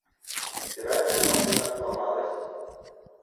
Стиральная машина сломалась.